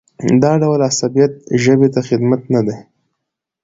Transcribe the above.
دا ډول عصبیت ژبې ته خدمت نه دی.